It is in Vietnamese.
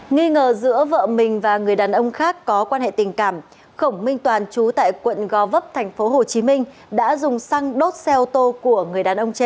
nghi ngờ giữa vợ mình và người đàn ông khác có quan hệ tình cảm khổng minh toàn trú tại quận gò vấp thành phố hồ chí minh đã dùng xăng đốt xe ô tô của người đàn ông trên